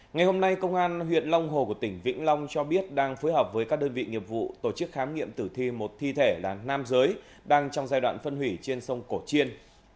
ngày hôm nay công an huyện long hồ của tỉnh vĩnh long cho biết đang phối hợp với các đơn vị nghiệp vụ tổ chức khám nghiệm tử thi một thi thể là nam giới đang trong giai đoạn phân hủy trên sông cổ chiên